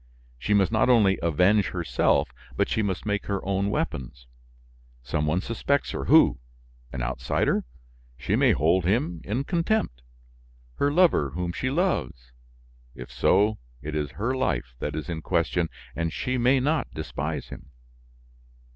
She must not only avenge herself, but she must make her own weapons. Some one suspects her; who? An outsider? She may hold him in contempt. Her lover whom she loves? If so, it is her life that is in question, and she may not despise him."